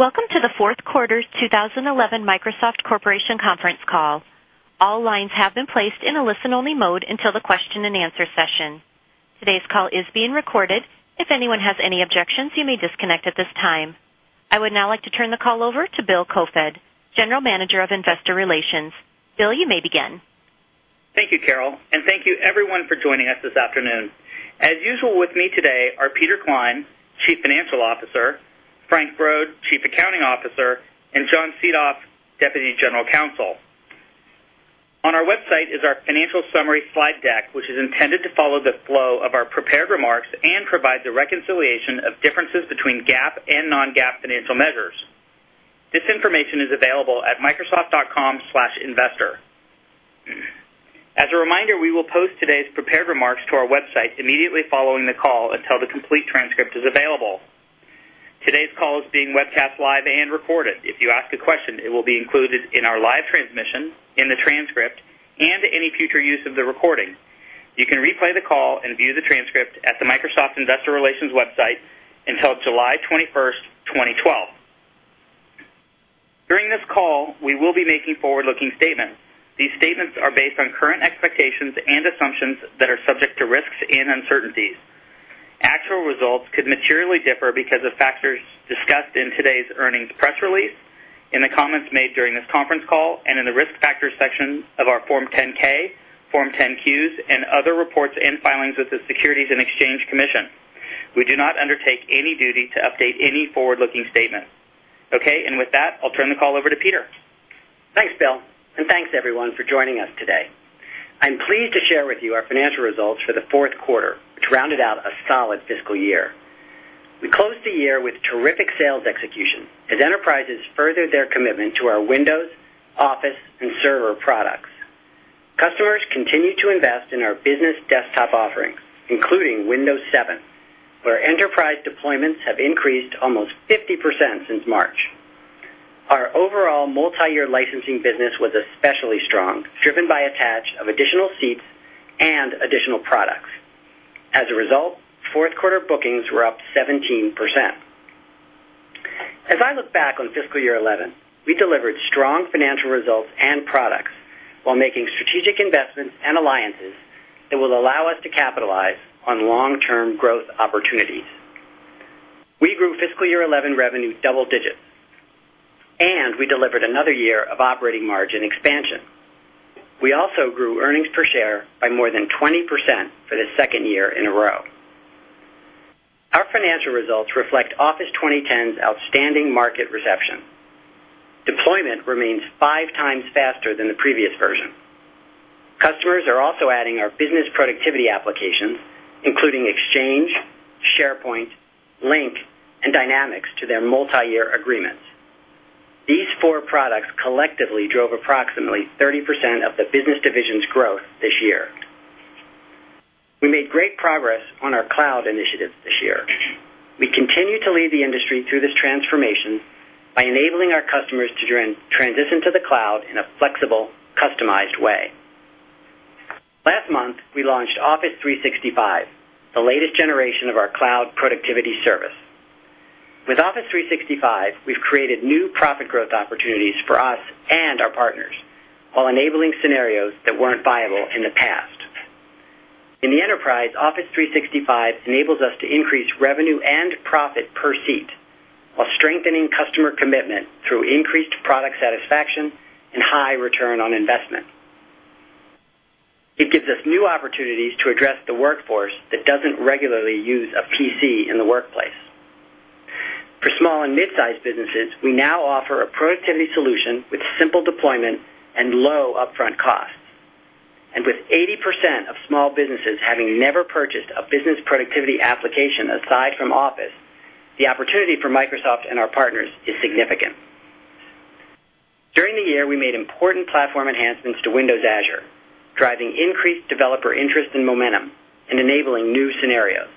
Welcome to the Fourth Quarter 2011 Microsoft Corporation Conference call. All lines have been placed in a listen-only mode until the question and answer session. Today's call is being recorded. If anyone has any objections, you may disconnect at this time. I would now like to turn the call over to Bill Koefoed, General Manager of Investor Relations. Bill, you may begin. Thank you, Carol, and thank you everyone for joining us this afternoon. As usual, with me today are Peter Klein, Chief Financial Officer, Frank Brod, Chief Accounting Officer, and John Seethoff, Deputy General Counsel. On our website is our financial summary slide deck, which is intended to follow the flow of our prepared remarks and provide the reconciliation of differences between GAAP and non-GAAP financial measures. This information is available at microsoft.com/investor. As a reminder, we will post today's prepared remarks to our website immediately following the call until the complete transcript is available. Today's call is being webcast live and recorded. If you ask a question, it will be included in our live transmission, in the transcript, and any future use of the recording. You can replay the call and view the transcript at the Microsoft Investor Relations website until July 21st, 2012. During this call, we will be making forward-looking statements. These statements are based on current expectations and assumptions that are subject to risks and uncertainties. Actual results could materially differ because of factors discussed in today's earnings press release, in the comments made during this conference call, and in the risk factors section of our Form 10-K, Form 10-Qs, and other reports and filings with the Securities and Exchange Commission. We do not undertake any duty to update any forward-looking statement. Okay, with that, I'll turn the call over to Peter. Thanks, Bill, and thanks everyone for joining us today. I'm pleased to share with you our financial results for the fourth quarter, which rounded out a solid fiscal year. We closed the year with terrific sales execution as enterprises furthered their commitment to our Windows, Office, and Server products. Customers continued to invest in our business desktop offerings, including Windows 7, where enterprise deployments have increased almost 50% since March. Our overall multi-year licensing business was especially strong, driven by a tax of additional seats and additional products. As a result, fourth quarter bookings were up 17%. As I look back on fiscal year 2011, we delivered strong financial results and products while making strategic investments and alliances that will allow us to capitalize on long-term growth opportunities. We grew fiscal year 2011 revenue double digits, and we delivered another year of operating margin expansion. We also grew earnings per share by more than 20% for the second year in a row. Our financial results reflect Office 2010's outstanding market reception. Deployment remains five times faster than the previous version. Customers are also adding our business productivity applications, including Exchange, SharePoint, Lync, and Dynamics, to their multi-year agreements. These four products collectively drove approximately 30% of the business division's growth this year. We made great progress on our cloud initiatives this year. We continue to lead the industry through this transformation by enabling our customers to transition to the cloud in a flexible, customized way. Last month, we launched Office 365, the latest generation of our cloud productivity service. With Office 365, we've created new profit growth opportunities for us and our partners while enabling scenarios that weren't viable in the past. In the enterprise, Office 365 enables us to increase revenue and profit per seat while strengthening customer commitment through increased product satisfaction and high return on investment. It gives us new opportunities to address the workforce that doesn't regularly use a PC in the workplace. For small and mid-sized businesses, we now offer a productivity solution with simple deployment and low upfront costs. With 80% of small businesses having never purchased a business productivity application aside from Office, the opportunity for Microsoft and our partners is significant. During the year, we made important platform enhancements to Windows Azure, driving increased developer interest and momentum and enabling new scenarios.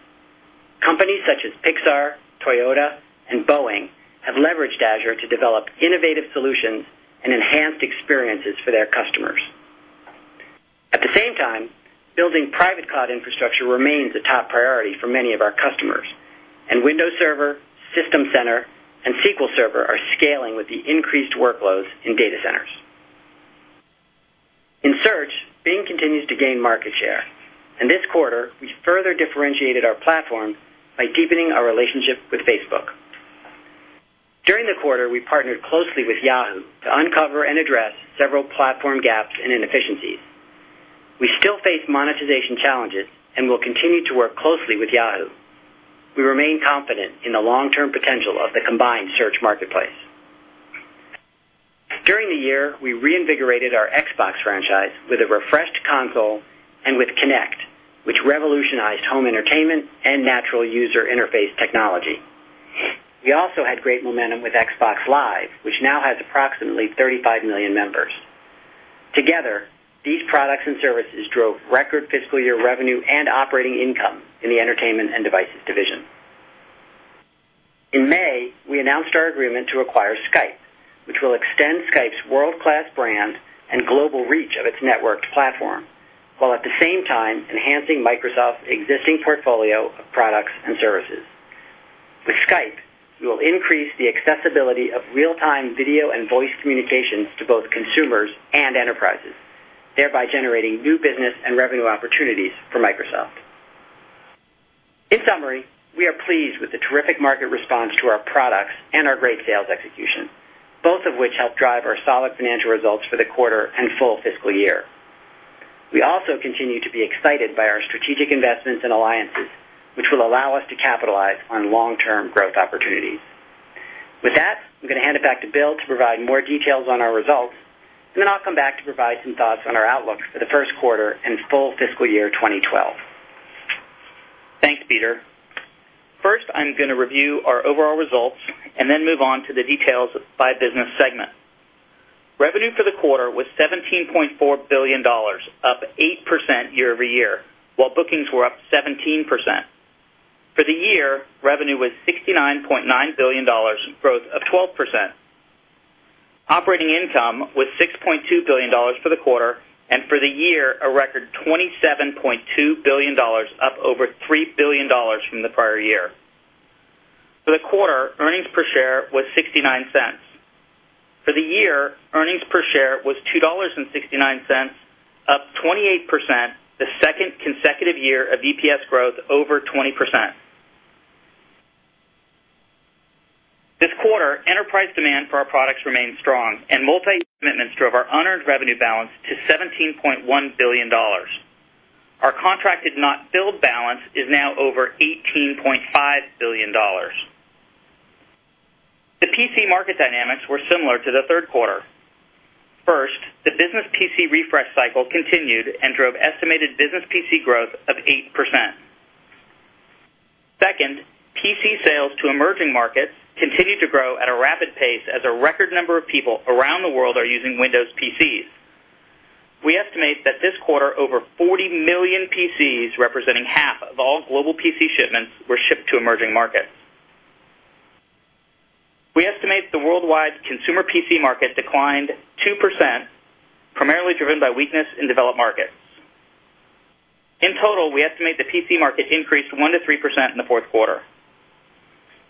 Companies such as Pixar, Toyota, and Boeing have leveraged Azure to develop innovative solutions and enhanced experiences for their customers. At the same time, building private cloud infrastructure remains a top priority for many of our customers, and Windows Server, System Center, and SQL Server are scaling with the increased workloads in data centers. In search, Bing continues to gain market share, and this quarter, we further differentiated our platform by deepening our relationship with Facebook. During the quarter, we partnered closely with Yahoo to uncover and address several platform gaps and inefficiencies. We still face monetization challenges and will continue to work closely with Yahoo. We remain confident in the long-term potential of the combined search marketplace. During the year, we reinvigorated our Xbox franchise with a refreshed console and with Kinect, which revolutionized home entertainment and natural user interface technology. We also had great momentum with Xbox Live, which now has approximately 35 million members. Together, these products and services drove record fiscal year revenue and operating income in the entertainment and devices division. In May, we announced our agreement to acquire Skype, which will extend Skype's world-class brand and global reach of its networked platform, while at the same time enhancing Microsoft's existing portfolio of products and services. With Skype, we will increase the accessibility of real-time video and voice communications to both consumers and enterprises, thereby generating new business and revenue opportunities for Microsoft. In summary, we are pleased with the terrific market response to our products and our great sales execution, both of which helped drive our solid financial results for the quarter and full fiscal year. We also continue to be excited by our strategic investments and alliances, which will allow us to capitalize on long-term growth opportunities. With that, I'm going to hand it back to Bill to provide more details on our results, and then I'll come back to provide some thoughts on our outlooks for the first quarter and full fiscal year 2012. Thanks, Peter. First, I'm going to review our overall results and then move on to the details by business segment. Revenue for the quarter was $17.4 billion, up 8% year-over-year, while bookings were up 17%. For the year, revenue was $69.9 billion, growth of 12%. Operating income was $6.2 billion for the quarter, and for the year, a record $27.2 billion, up over $3 billion from the prior year. For the quarter, earnings per share was $0.69. For the year, earnings per share was $2.69, up 28%, the second consecutive year of EPS growth over 20%. This quarter, enterprise demand for our products remained strong, and multi-year commitments drove our unearned revenue balance to $17.1 billion. Our contracted not billed balance is now over $18.5 billion. The PC market Dynamics were similar to the third quarter. First, the business PC refresh cycle continued and drove estimated business PC growth of 8%. Second, PC sales to emerging markets continue to grow at a rapid pace as a record number of people around the world are using Windows PCs. We estimate that this quarter, over 40 million PCs, representing half of all global PC shipments, were shipped to emerging markets. We estimate the worldwide consumer PC market declined 2%, primarily driven by weakness in developed markets. In total, we estimate the PC market increased 1%-3% in the fourth quarter.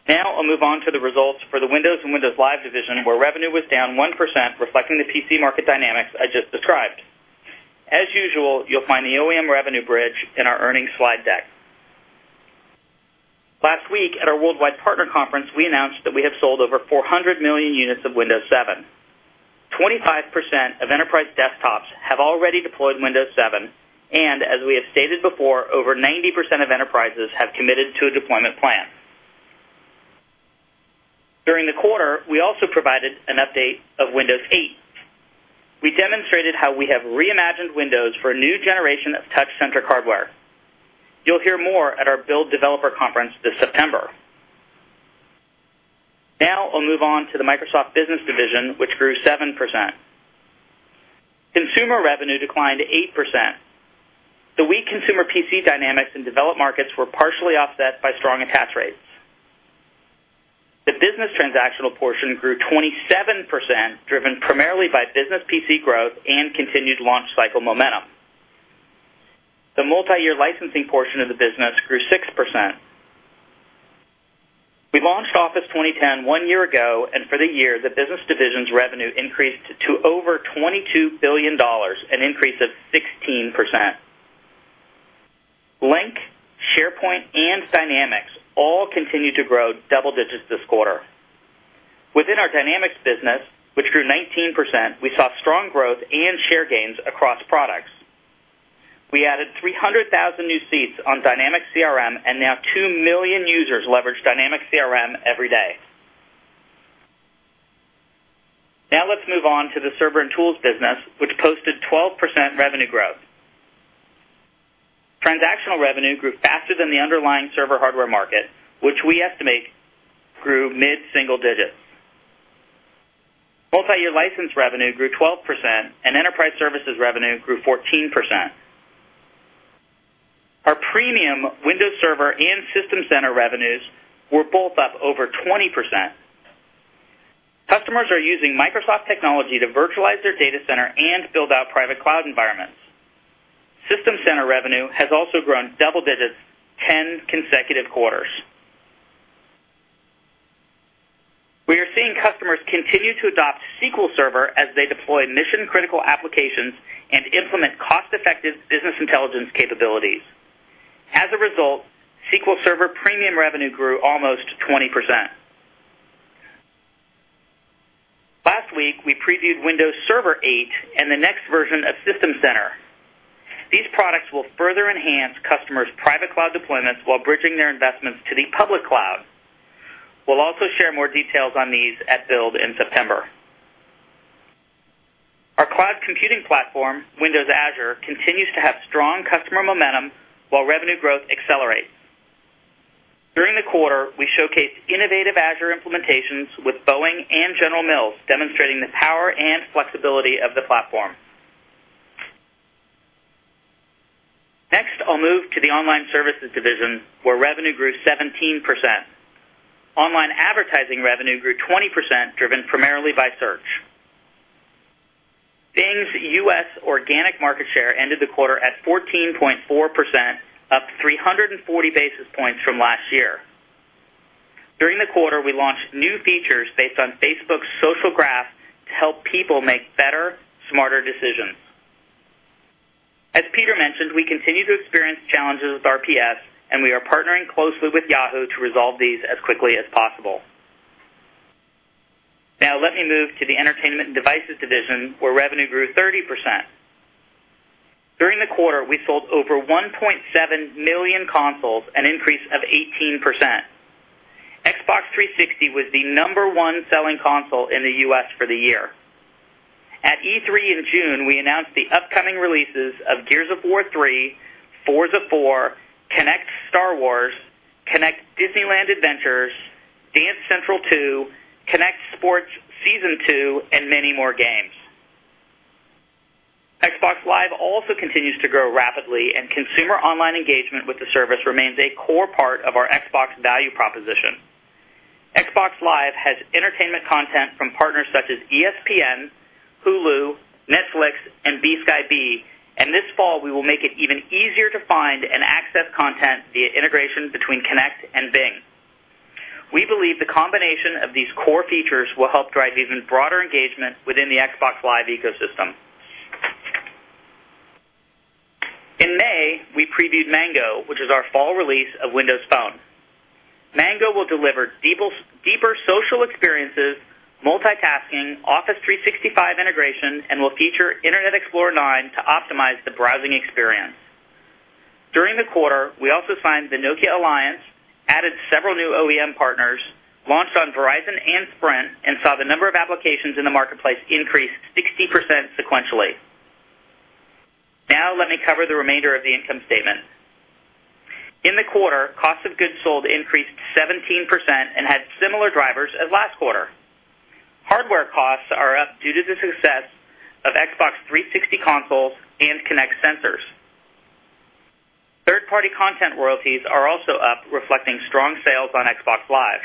Now, I'll move on to the results for the Windows and Windows Live division, where revenue was down 1%, reflecting the PC market Dynamics I just described. As usual, you'll find the OEM revenue bridge in our earnings slide deck. Last week, at our worldwide partner conference, we announced that we have sold over 400 million units of Windows 7. 25% of enterprise desktops have already deployed Windows 7, and as we have stated before, over 90% of enterprises have committed to a deployment plan. During the quarter, we also provided an update of Windows 8. We demonstrated how we have reimagined Windows for a new generation of touch-centric hardware. You'll hear more at our BUILD Developer Conference this September. Now, I'll move on to the Microsoft Business Division, which grew 7%. Consumer revenue declined 8%. The weak consumer PC Dynamics in developed markets were partially offset by strong attach rates. The business transactional portion grew 27%, driven primarily by business PC growth and continued launch cycle momentum. The multi-year licensing portion of the business grew 6%. We launched Office 2010 one year ago, and for the year, the Business Division's revenue increased to over $22 billion, an increase of 16%. Lync, SharePoint, and Dynamics all continue to grow double digits this quarter. Within our Dynamics business, which grew 19%, we saw strong growth and share gains across products. We added 300,000 new seats on Dynamics CRM, and now 2 million users leverage Dynamics CRM every day. Now, let's move on to the Server and Tools business, which posted 12% revenue growth. Transactional revenue grew faster than the underlying server hardware market, which we estimate grew mid-single digits. Multi-year license revenue grew 12%, and enterprise services revenue grew 14%. Our premium Windows Server and System Center revenues were both up over 20%. Customers are using Microsoft technology to virtualize their data center and build out private cloud environments. System Center revenue has also grown double digits 10 consecutive quarters. We are seeing customers continue to adopt SQL Server as they deploy mission-critical applications and implement cost-effective business intelligence capabilities. As a result, SQL Server premium revenue grew almost 20%. Last week, we previewed Windows Server 8 and the next version of System Center. These products will further enhance customers' private cloud deployments while bridging their investments to the public cloud. We'll also share more details on these at Build in September. Our cloud computing platform, Windows Azure, continues to have strong customer momentum while revenue growth accelerates. During the quarter, we showcased innovative Azure implementations with Boeing and General Mills, demonstrating the power and flexibility of the platform. Next, I'll move to the Online Services Division, where revenue grew 17%. Online advertising revenue grew 20%, driven primarily by search. Bing's U.S. organic market share ended the quarter at 14.4%, up 340 basis points from last year. During the quarter, we launched new features based on Facebook's social graph to help people make better, smarter decisions. As Peter mentioned, we continue to experience challenges with our PS, and we are partnering closely with Yahoo to resolve these as quickly as possible. Now, let me move to the Entertainment and Devices Division, where revenue grew 30%. During the quarter, we sold over 1.7 million consoles, an increase of 18%. Xbox 360 was the number one selling console in the U.S. for the year. At E3 in June, we announced the upcoming releases of Gears of War 3, Forza 4, Kinect Star Wars, Kinect Disneyland Adventures, Dance Central 2, Kinect Sports Season 2, and many more games. Xbox Live also continues to grow rapidly, and consumer online engagement with the service remains a core part of our Xbox value proposition. Xbox Live has entertainment content from partners such as ESPN, Hulu, Netflix, and BSkyB, and this fall, we will make it even easier to find and access content via integration between Kinect and Bing. We believe the combination of these core features will help drive even broader engagement within the Xbox Live ecosystem. In May, we previewed Mango, which is our fall release of Windows Phone. Mango will deliver deeper social experiences, multitasking, Office 365 integration, and will feature Internet Explorer 9 to optimize the browsing experience. During the quarter, we also signed the Nokia Alliance, added several new OEM partners, launched on Verizon and Sprint, and saw the number of applications in the marketplace increase 60% sequentially. Now, let me cover the remainder of the income statement. In the quarter, cost of goods sold increased 17% and had similar drivers as last quarter. Hardware costs are up due to the success of Xbox 360 consoles and Kinect sensors. Third-party content royalties are also up, reflecting strong sales on Xbox Live.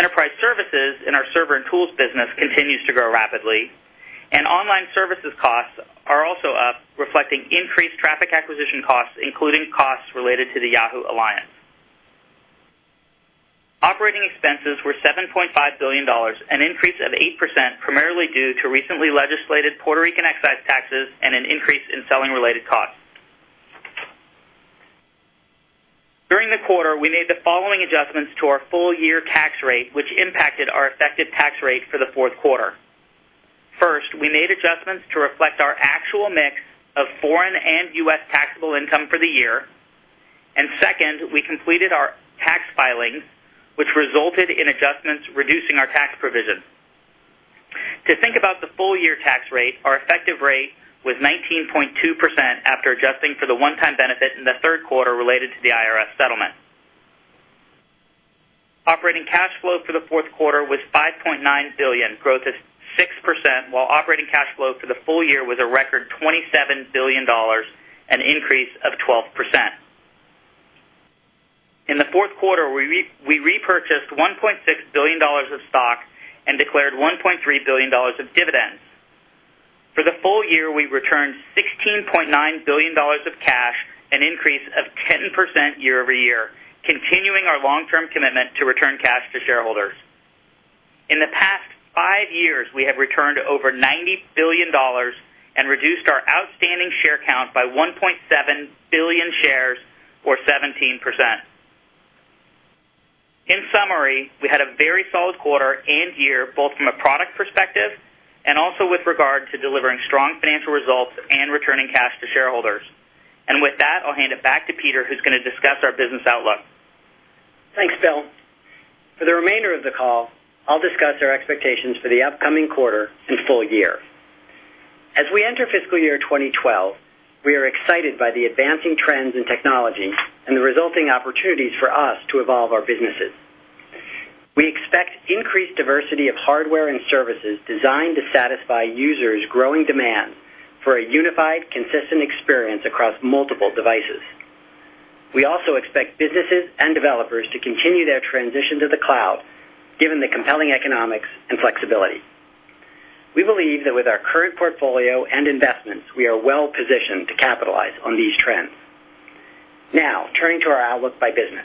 Enterprise services in our server and tools business continue to grow rapidly, and online services costs are also up, reflecting increased traffic acquisition costs, including costs related to the Yahoo Alliance. Operating expenses were $7.5 billion, an increase of 8%, primarily due to recently legislated Puerto Rican excise taxes and an increase in selling-related costs. During the quarter, we made the following adjustments to our full-year tax rate, which impacted our effective tax rate for the fourth quarter. First, we made adjustments to reflect our actual mix of foreign and U.S. Taxable income for the year, and second, we completed our tax filings, which resulted in adjustments reducing our tax provision. To think about the full-year tax rate, our effective rate was 19.2% after adjusting for the one-time benefit in the third quarter related to the IRS settlement. Operating cash flow for the fourth quarter was $5.9 billion, growth of 6%, while operating cash flow for the full year was a record $27 billion, an increase of 12%. In the fourth quarter, we repurchased $1.6 billion of stock and declared $1.3 billion of dividends. For the full year, we returned $16.9 billion of cash, an increase of 10% year-over-year, continuing our long-term commitment to return cash to shareholders. In the past five years, we have returned over $90 billion and reduced our outstanding share count by 1.7 billion shares, or 17%. In summary, we had a very solid quarter and year, both from a product perspective and also with regard to delivering strong financial results and returning cash to shareholders. I'll hand it back to Peter, who's going to discuss our business outlook. Thanks, Bill. For the remainder of the call, I'll discuss our expectations for the upcoming quarter and full year. As we enter fiscal year 2012, we are excited by the advancing trends in technology and the resulting opportunities for us to evolve our businesses. We expect increased diversity of hardware and services designed to satisfy users' growing demand for a unified, consistent experience across multiple devices. We also expect businesses and developers to continue their transition to the cloud, given the compelling economics and flexibility. We believe that with our current portfolio and investments, we are well-positioned to capitalize on these trends. Now, turning to our outlook by business.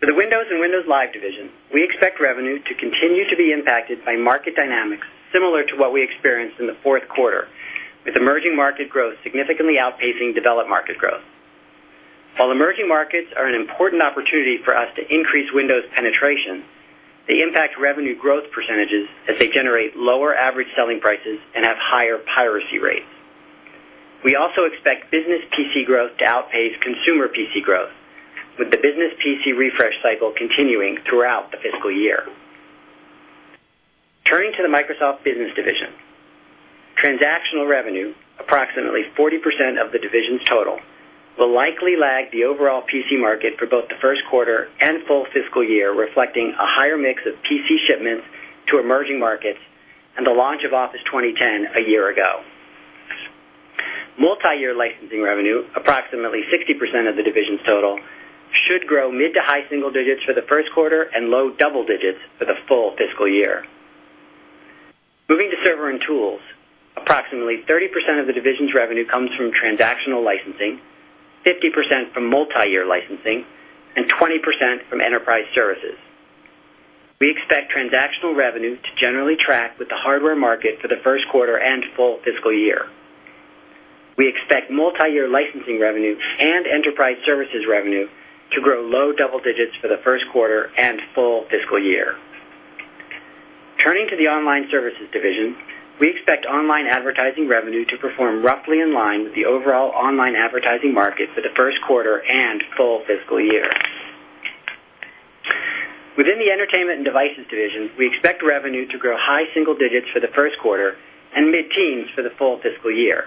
For the Windows and Windows Live division, we expect revenue to continue to be impacted by market Dynamics similar to what we experienced in the fourth quarter, with emerging market growth significantly outpacing developed market growth. While emerging markets are an important opportunity for us to increase Windows penetration, they impact revenue growth percentages as they generate lower average selling prices and have higher piracy rates. We also expect business PC growth to outpace consumer PC growth, with the business PC refresh cycle continuing throughout the fiscal year. Turning to the Microsoft Business Division, transactional revenue, approximately 40% of the division's total, will likely lag the overall PC market for both the first quarter and full fiscal year, reflecting a higher mix of PC shipments to emerging markets and the launch of Office 2010 a year ago. Multi-year licensing revenue, approximately 60% of the division's total, should grow mid to high single digits for the first quarter and low double digits for the full fiscal year. Moving to Server and Tools, approximately 30% of the division's revenue comes from transactional licensing, 50% from multi-year licensing, and 20% from enterprise services. We expect transactional revenue to generally track with the hardware market for the first quarter and full fiscal year. We expect multi-year licensing revenue and enterprise services revenue to grow low double digits for the first quarter and full fiscal year. Turning to the Online Services division, we expect online advertising revenue to perform roughly in line with the overall online advertising market for the first quarter and full fiscal year. Within the Entertainment and Devices division, we expect revenue to grow high single digits for the first quarter and mid-teens for the full fiscal year.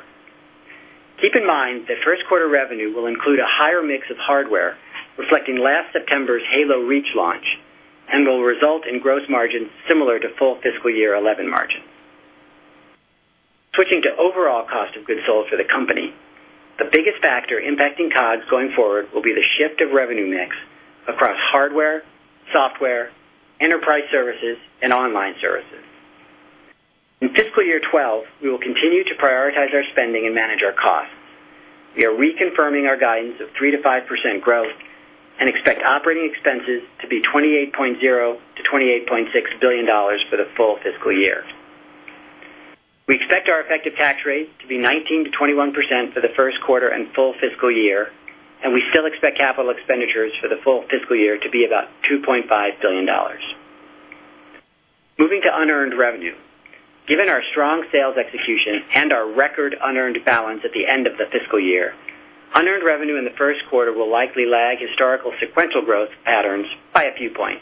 Keep in mind that first quarter revenue will include a higher mix of hardware, reflecting last September's Halo Reach launch, and will result in gross margins similar to full fiscal year 2011 margins. Switching to overall cost of goods sold for the company, the biggest factor impacting COGS going forward will be the shift of revenue mix across hardware, software, enterprise services, and online services. In fiscal year 2012, we will continue to prioritize our spending and manage our costs. We are reconfirming our guidance of 3%-5% growth and expect operating expenses to be $28.0billion-$28.6 billion for the full fiscal year. We expect our effective tax rate to be 19%-21% for the first quarter and full fiscal year, and we still expect capital expenditures for the full fiscal year to be about $2.5 billion. Moving to unearned revenue, given our strong sales execution and our record unearned balance at the end of the fiscal year, unearned revenue in the first quarter will likely lag historical sequential growth patterns by a few points.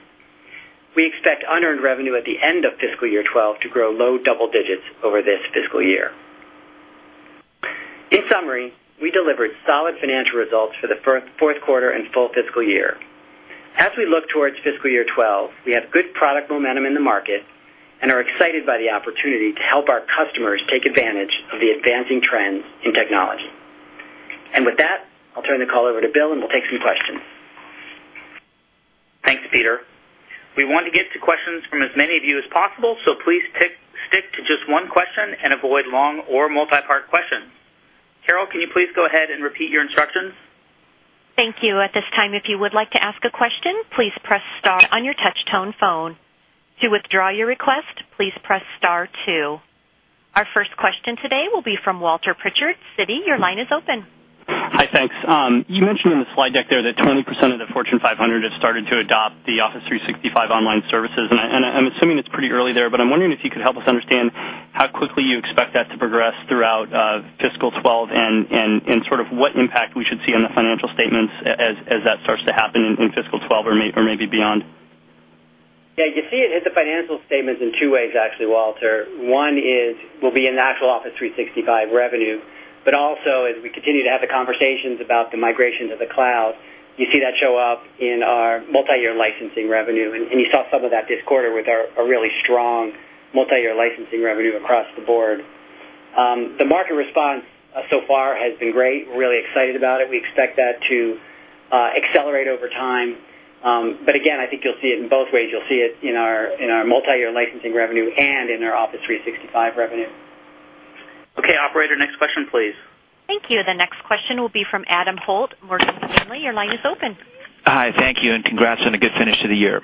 We expect unearned revenue at the end of fiscal year 2012 to grow low double digits over this fiscal year. In summary, we delivered solid financial results for the fourth quarter and full fiscal year. As we look towards fiscal year 2012, we have good product momentum in the market and are excited by the opportunity to help our customers take advantage of the advancing trends in technology. I'll turn the call over to Bill, and we'll take some questions. Thanks, Peter. We want to get to questions from as many of you as possible, so please stick to just one question and avoid long or multi-part questions. Carol, can you please go ahead and repeat your instructions? Thank you. At this time, if you would like to ask a question, please press star on your touch-tone phone. To withdraw your request, please press star two. Our first question today will be from Walter Pritchard. Citi, your line is open. Hi, thanks. You mentioned in the slide deck there that 20% of the Fortune 500 have started to adopt the Office 365 online services, and I'm assuming it's pretty early there, but I'm wondering if you could help us understand how quickly you expect that to progress throughout fiscal 2012 and sort of what impact we should see on the financial statements as that starts to happen in fiscal 2012 or maybe beyond. Yeah, you see it hit the financial statements in two ways, actually, Walter. One is, it'll be in the actual Office 365 revenue, but also, as we continue to have the conversations about the migration to the cloud, you see that show up in our multi-year licensing revenue, and you saw some of that this quarter with our really strong multi-year licensing revenue across the board. The market response so far has been great. We're really excited about it. We expect that to accelerate over time. I think you'll see it in both ways. You'll see it in our multi-year licensing revenue and in our Office 365 revenue. Okay, operator, next question, please. Thank you. The next question will be from Adam Holt. Morgan Stanley, your line is open. Hi, thank you, and congrats on a good finish to the year.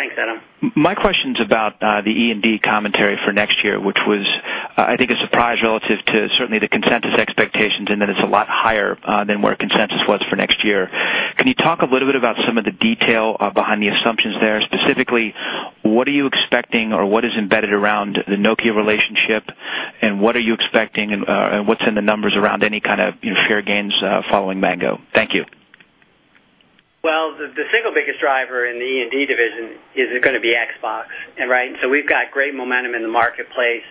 Thanks, Adam. My question is about the E&D commentary for next year, which was, I think, a surprise relative to certainly the consensus expectations, and that it's a lot higher than where consensus was for next year. Can you talk a little bit about some of the detail behind the assumptions there? Specifically, what are you expecting or what is embedded around the Nokia relationship, and what are you expecting and what's in the numbers around any kind of fair gains following Mango? Thank you. The single biggest driver in the E&D division is going to be Xbox, right? We have great momentum in the marketplace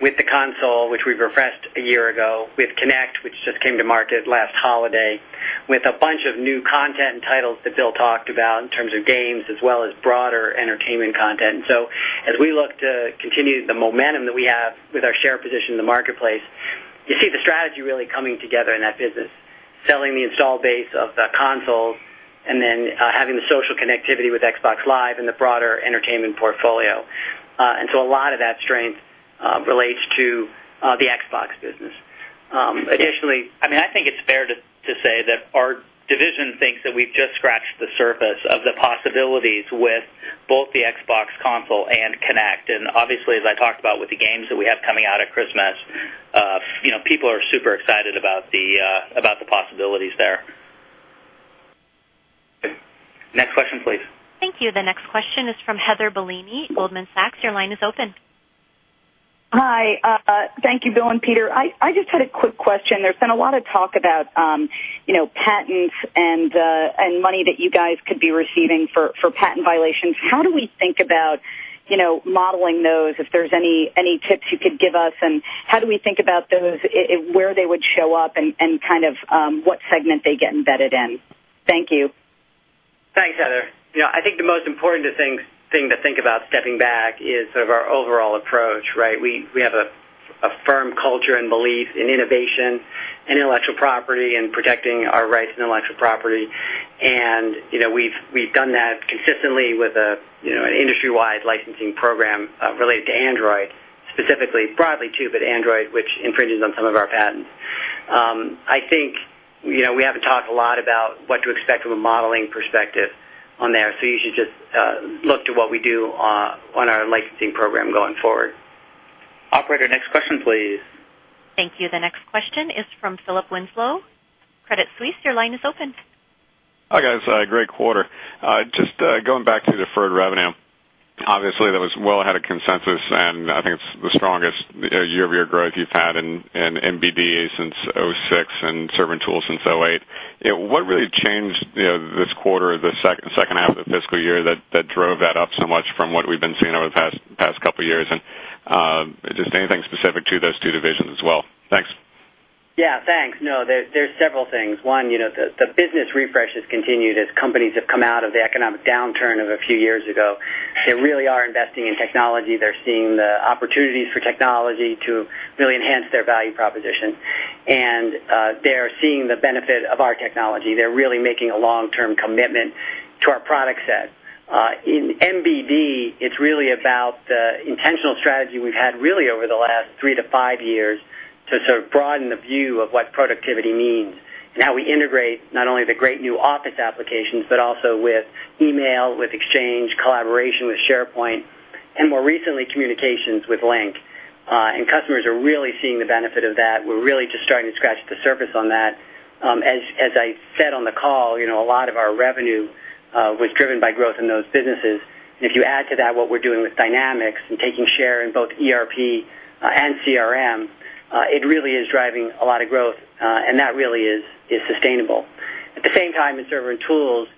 with the console, which we refreshed a year ago, with Kinect, which just came to market last holiday, with a bunch of new content and titles that Bill talked about in terms of games, as well as broader entertainment content. As we look to continue the momentum that we have with our share position in the marketplace, you see the strategy really coming together in that business, selling the installed base of the console and then having the social connectivity with Xbox Live and the broader entertainment portfolio. A lot of that strength relates to the Xbox business. Additionally, I think it's fair to say that our division thinks that we've just scratched the surface of the possibilities with both the Xbox console and Kinect. Obviously, as I talked about with the games that we have coming out at Christmas, people are super excited about the possibilities there. Next question, please. Thank you. The next question is from Heather Bellini, Goldman Sachs. Your line is open. Hi, thank you, Bill and Peter. I just had a quick question. There's been a lot of talk about patents and money that you guys could be receiving for patent violations. How do we think about modeling those, if there's any tips you could give us, and how do we think about those, where they would show up, and kind of what segment they get embedded in? Thank you. Thanks, Heather. I think the most important thing to think about stepping back is sort of our overall approach, right? We have a firm culture and belief in innovation and intellectual property and protecting our rights and intellectual property, and we've done that consistently with an industry-wide licensing program related to Android, specifically broadly too, but Android, which infringes on some of our patents. I think we haven't talked a lot about what to expect from a modeling perspective on there, so you should just look to what we do on our licensing program going forward. Operator, next question, please. Thank you. The next question is from Philip Winslow, Credit Suisse. Your line is open. Hi, guys. Great quarter. Just going back to deferred revenue, obviously, that was well ahead of consensus, and I think it's the strongest year-over-year growth you've had in MBD since 2006 and server and tools since 2008. What really changed this quarter, the second half of the fiscal year that drove that up so much from what we've been seeing over the past couple of years, and just anything specific to those two divisions as well? Thanks. Yeah, thanks. No, there's several things. One, the business refresh has continued as companies have come out of the economic downturn of a few years ago. They really are investing in technology. They're seeing the opportunities for technology to really enhance their value proposition, and they are seeing the benefit of our technology. They're really making a long-term commitment to our product set. In MBD, it's really about the intentional strategy we've had really over the last 3-5 years to sort of broaden the view of what productivity means and how we integrate not only the great new Office applications, but also with email, with Exchange, collaboration with SharePoint, and more recently, communications with Lync. Customers are really seeing the benefit of that. We're really just starting to scratch the surface on that. As I said on the call, a lot of our revenue was driven by growth in those businesses, and if you add to that what we're doing with Dynamics and taking share in both ERP and CRM, it really is driving a lot of growth, and that really is sustainable. At the same time, in Server and Tools,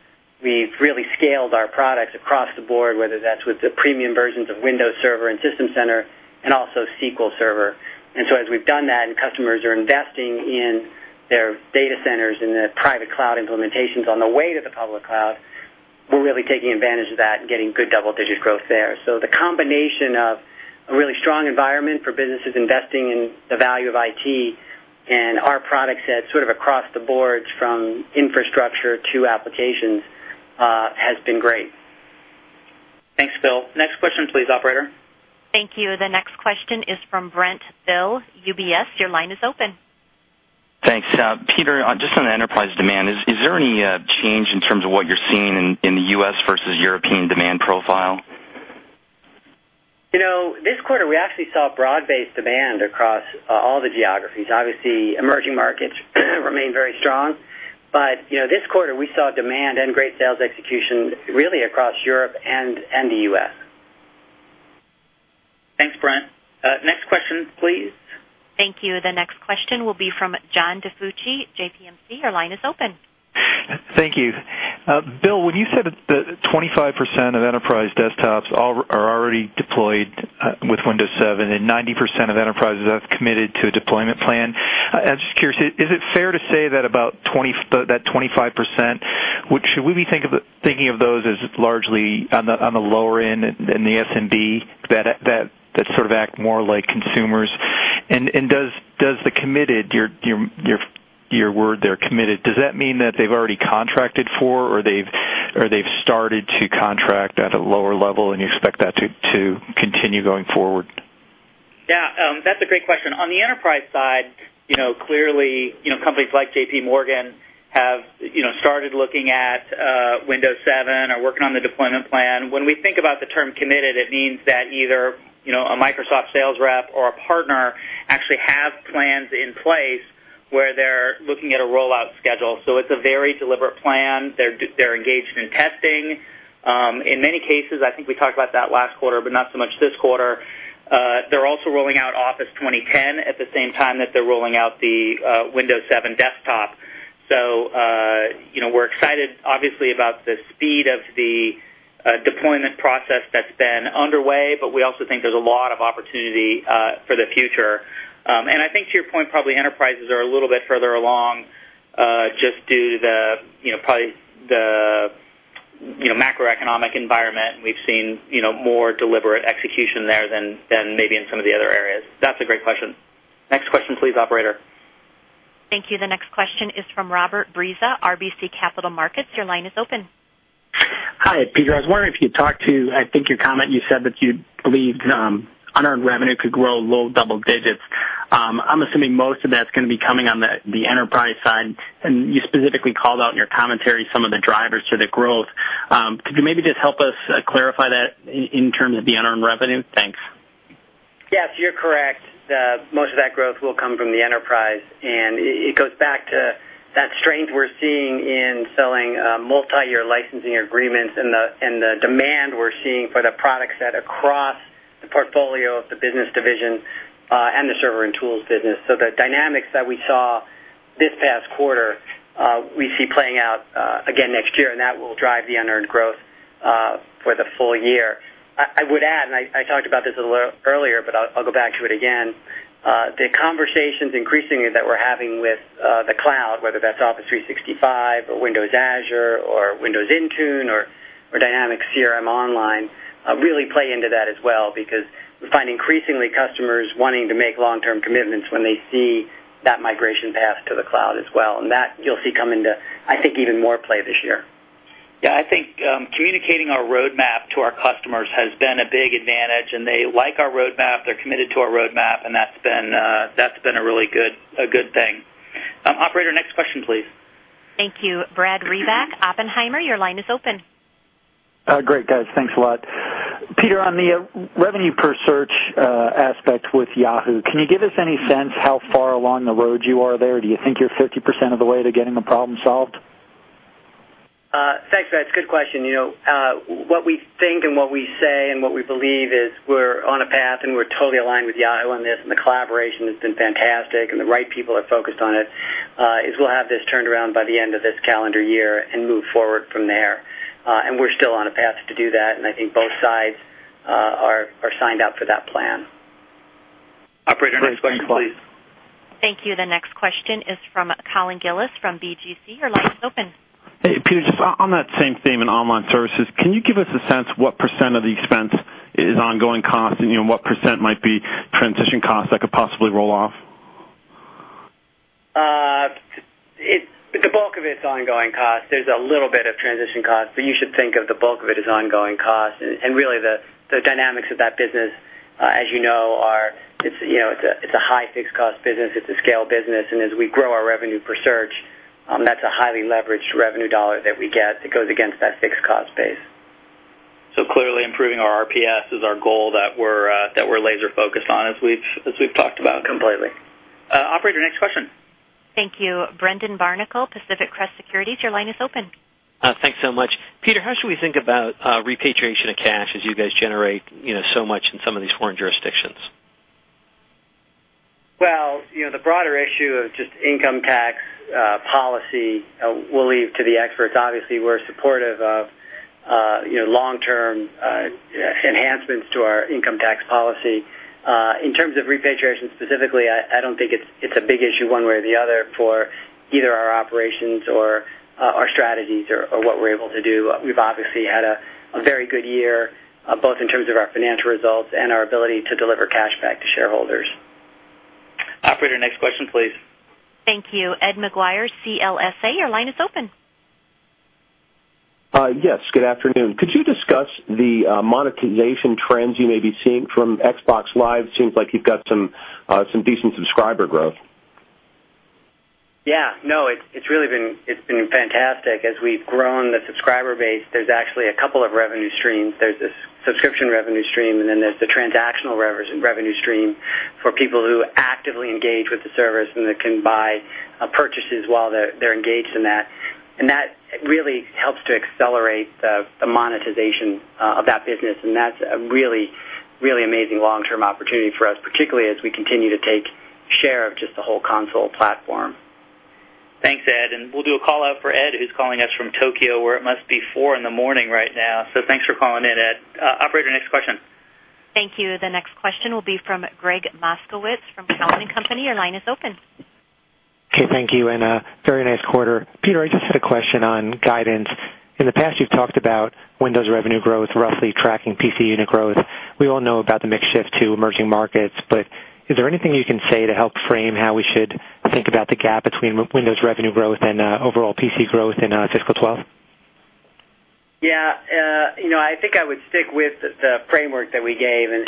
we've really scaled our products across the board, whether that's with the premium versions of Windows Server and System Center and also SQL Server. As we've done that and customers are investing in their data centers and the private cloud implementations on the way to the public cloud, we're really taking advantage of that and getting good double-digit growth there. The combination of a really strong environment for businesses investing in the value of IT and our product set sort of across the boards from infrastructure to applications has been great. Thanks, Bill. Next question, please, operator. Thank you. The next question is from Brent Thill, UBS. Your line is open. Thanks. Peter, just on the enterprise demand, is there any change in terms of what you're seeing in the U.S. versus the European demand profile? You know, this quarter, we actually saw broad-based demand across all the geographies. Obviously, emerging markets remain very strong, but this quarter, we saw demand and great sales execution really across Europe and the U.S. Thanks, Brent. Next question, please. Thank you. The next question will be from John DiFucci, JPMC. Your line is open. Thank you. Bill, when you said that 25% of enterprise desktops are already deployed with Windows 7 and 90% of enterprises have committed to a deployment plan, I'm just curious, is it fair to say that about 25%, should we be thinking of those as largely on the lower end in the SMB that sort of act more like consumers? Does the committed, your word there, committed, mean that they've already contracted for or they've started to contract at a lower level and you expect that to continue going forward? Yeah, that's a great question. On the enterprise side, clearly, companies like JPMorgan have started looking at Windows 7 or working on the deployment plan. When we think about the term committed, it means that either a Microsoft sales rep or a partner actually have plans in place where they're looking at a rollout schedule. It is a very deliberate plan. They're engaged in testing. In many cases, I think we talked about that last quarter, but not so much this quarter. They're also rolling out Office 2010 at the same time that they're rolling out the Windows 7 desktop. We're excited, obviously, about the speed of the deployment process that's been underway. We also think there's a lot of opportunity for the future. I think, to your point, probably enterprises are a little bit further along just due to probably the macroeconomic environment, and we've seen more deliberate execution there than maybe in some of the other areas. That's a great question. Next question, please, operator. Thank you. The next question is from Robert Breza, RBC Capital Markets. Your line is open. Hi, Peter. I was wondering if you could talk to, I think your comment you said that you believed unearned revenue could grow low double digits. I'm assuming most of that's going to be coming on the enterprise side, and you specifically called out in your commentary some of the drivers to the growth. Could you maybe just help us clarify that in terms of the unearned revenue? Thanks. Yes, you're correct. Most of that growth will come from the enterprise, and it goes back to that strength we're seeing in selling multi-year licensing agreements and the demand we're seeing for the product set across the portfolio of the Business Division and the Server and Tools business. The Dynamics that we saw this past quarter, we see playing out again next year, and that will drive the unearned growth for the full year. I would add, I talked about this a little earlier, but I'll go back to it again. The conversations increasingly that we're having with the cloud, whether that's Office 365 or Windows Azure or Windows Intune or Dynamics CRM Online, really play into that as well because we find increasingly customers wanting to make long-term commitments when they see that migration path to the cloud as well. You'll see that come into, I think, even more play this year. Yeah, I think communicating our roadmap to our customers has been a big advantage, and they like our roadmap. They're committed to our roadmap, and that's been a really good thing. Operator, next question, please. Thank you. Brad Rybak, Oppenheimer, your line is open. Great, guys. Thanks a lot. Peter, on the revenue per search aspect with Yahoo, can you give us any sense how far along the road you are there? Do you think you're 50% of the way to getting the problem solved? Thanks, Brad. It's a good question. What we think and what we say and what we believe is we're on a path and we're totally aligned with Yahoo on this. The collaboration has been fantastic and the right people are focused on it. We'll have this turned around by the end of this calendar year and move forward from there. We're still on a path to do that, and I think both sides are signed up for that plan. Operator, next question, please. Thank you. The next question is from Colin Gillis from BGC. Your line is open. Hey, Peter, just on that same theme in online services, can you give us a sense of what % of the expense is ongoing cost and what % might be transition costs that could possibly roll off? The bulk of it is ongoing cost. There's a little bit of transition cost, but you should think of the bulk of it as ongoing cost. The Dynamics of that business, as you know, are it's a high fixed cost business. It's a scale business, and as we grow our revenue per search, that's a highly leveraged revenue dollar that we get that goes against that fixed cost base. Clearly, improving our RPS is our goal that we're laser-focused on, as we've talked about. Completely. Operator, next question. Thank you. Brendan Barnicle, Pacific Crest Securities. Your line is open. Thanks so much. Peter, how should we think about repatriation of cash as you guys generate so much in some of these foreign jurisdictions? The broader issue of just income tax policy, we'll leave to the experts. Obviously, we're supportive of long-term enhancements to our income tax policy. In terms of repatriation specifically, I don't think it's a big issue one way or the other for either our operations or our strategies or what we're able to do. We've obviously had a very good year, both in terms of our financial results and our ability to deliver cash back to shareholders. Operator, next question, please. Thank you. Ed Maguire, CLSA. Your line is open. Yes, good afternoon. Could you discuss the monetization trends you may be seeing from Xbox Live? It seems like you've got some decent subscriber growth. Yeah, no, it's really been fantastic. As we've grown the subscriber base, there's actually a couple of revenue streams. There's this subscription revenue stream, and then there's the transactional revenue stream for people who actively engage with the service and that can buy purchases while they're engaged in that. That really helps to accelerate the monetization of that business, and that's a really, really amazing long-term opportunity for us, particularly as we continue to take share of just the whole console platform. Thanks, Ed. We'll do a call-out for Ed, who's calling us from Tokyo, where it must be 4:00 AM. right now. Thanks for calling in, Ed. Operator, next question. Thank you. The next question will be from Greg Moskowitz from Salomon & Company. Your line is open. OK, thank you, and a very nice quarter. Peter, I just had a question on guidance. In the past, you've talked about Windows revenue growth roughly tracking PC unit growth. We all know about the mixed shift to emerging markets, but is there anything you can say to help frame how we should think about the gap between Windows revenue growth and overall PC growth in fiscal 2012? I think I would stick with the framework that we gave, and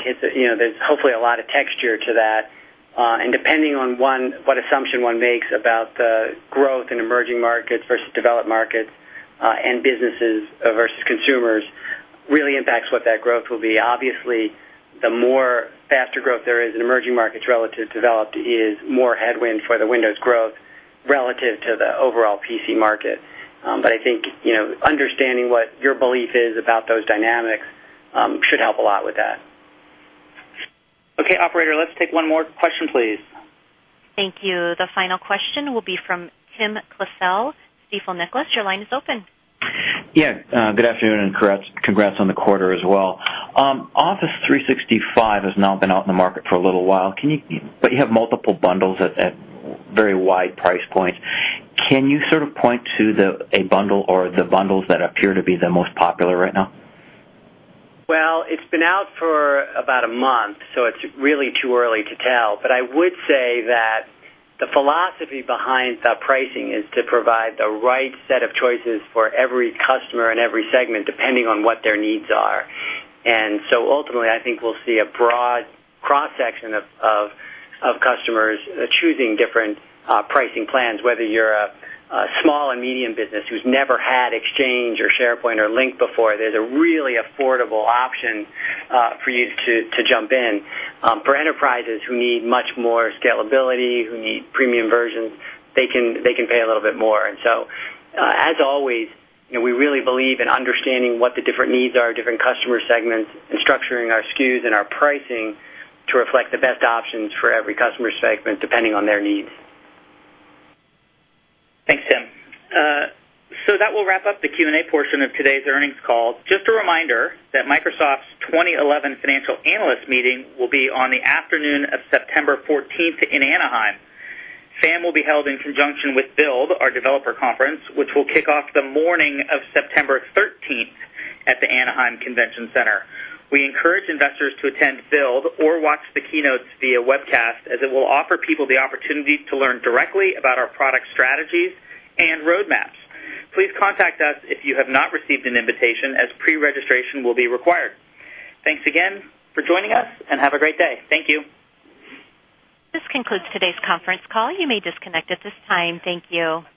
there's hopefully a lot of texture to that. Depending on what assumption one makes about the growth in emerging markets versus developed markets and businesses versus consumers really impacts what that growth will be. Obviously, the faster growth there is in emerging markets relative to developed is more headwind for the Windows growth relative to the overall PC market. I think understanding what your belief is about those Dynamics should help a lot with that. Okay, operator, let's take one more question, please. Thank you. The final question will be from Kim Klesel, Stifel Nicolaus. Your line is open. Good afternoon and congrats on the quarter as well. Office 365 has now been out in the market for a little while, but you have multiple bundles at very wide price points. Can you sort of point to a bundle or the bundles that appear to be the most popular right now? It has been out for about a month, so it's really too early to tell, but I would say that the philosophy behind the pricing is to provide the right set of choices for every customer in every segment, depending on what their needs are. Ultimately, I think we'll see a broad cross-section of customers choosing different pricing plans. Whether you're a small and medium business who's never had Exchange or SharePoint or Lync before, there's a really affordable option for you to jump in. For enterprises who need much more scalability, who need premium versions, they can pay a little bit more. As always, we really believe in understanding what the different needs are of different customer segments and structuring our SKUs and our pricing to reflect the best options for every customer segment, depending on their needs. Thanks, Tim. That will wrap up the Q&A portion of today's earnings call. Just a reminder that Microsoft's 2011 Financial Analyst Meeting will be on the afternoon of September 14th in Anaheim. FAM will be held in conjunction with Build, our developer conference, which will kick off the morning of September 13th at the Anaheim Convention Center. We encourage investors to attend Build or watch the keynotes via webcast, as it will offer people the opportunity to learn directly about our product strategies and roadmaps. Please contact us if you have not received an invitation, as pre-registration will be required. Thanks again for joining us, and have a great day. Thank you. This concludes today's conference call. You may disconnect at this time. Thank you.